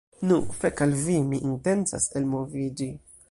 Nu, fek al vi, mi intencas elmoviĝi.